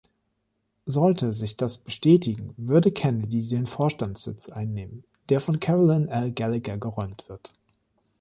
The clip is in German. Sollte sich das bestätigen, würde Kennedy den Vorstandssitz einnehmen, der von Carolyn L. Gallagher geräumt wird.